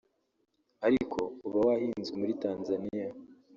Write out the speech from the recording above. ariko uba wahinzwe muri Tanzania